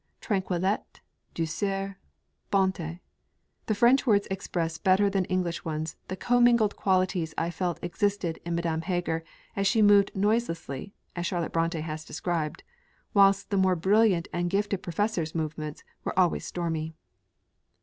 Tranquillité, Douceur, Bonté: the French words express better than English ones the commingled qualities I felt existed in Madame Heger as she moved noiselessly (as Charlotte Brontë has described), whilst the more brilliant and gifted Professor's movements were always stormy.